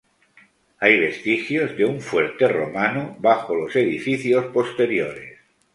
Hay vestigios de un fuerte romano bajo los edificios posteriores.